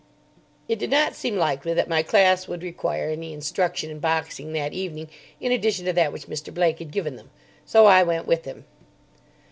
It did not seem likely that my class would require any instruction in boxing that evening in addition to that which Mr. Blake had given them, so I went with him.